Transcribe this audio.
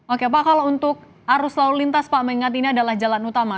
oke pak kalau untuk arus lalu lintas pak mengingat ini adalah jalan utama